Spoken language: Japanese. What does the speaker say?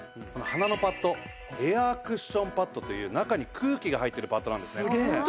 鼻のパッドエアクッションパッドという中に空気が入ってるパッドなんですね。